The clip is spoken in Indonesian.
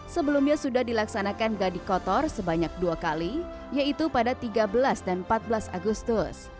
sebelumnya sudah dilaksanakan gadi kotor sebanyak dua kali yaitu pada tiga belas dan empat belas agustus